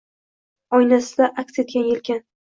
Oynasida aks etgan yelkan